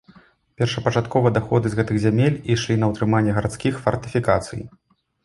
Першапачаткова даходы з гэтых зямель ішлі на ўтрыманне гарадскіх фартыфікацый.